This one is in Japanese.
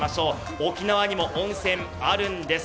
沖縄にも温泉、あるんです。